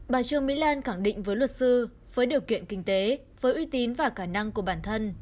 bà trương mỹ lan khẳng định với luật sư với điều kiện kinh tế với uy tín và khả năng của bản thân